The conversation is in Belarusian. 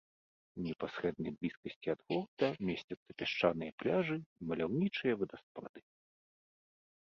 У непасрэднай блізкасці ад горада месцяцца пясчаныя пляжы і маляўнічыя вадаспады.